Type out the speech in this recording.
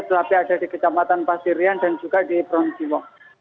tetapi ada di kejamatan pasirian dan juga di prongjiwo